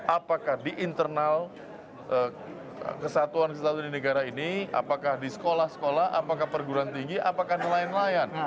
apakah di internal kesatuan kesatuan di negara ini apakah di sekolah sekolah apakah perguruan tinggi apakah nelayan nelayan